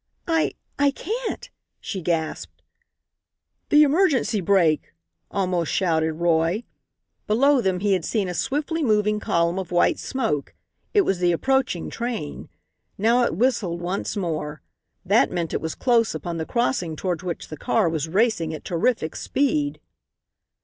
"I I can't!" she gasped. "The emergency brake!" almost shouted Roy. Below them he had seen a swiftly moving column of white smoke. It was the approaching train. Now it whistled once more. That meant it was close upon the crossing toward which the car was racing at terrific speed.